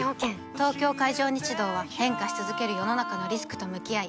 東京海上日動は変化し続ける世の中のリスクと向き合い